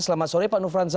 selamat sore pak nufransa